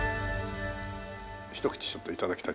ひと口ちょっと頂きたい。